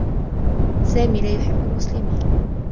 سامي لا يحبّ المسلمين.